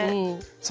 さあ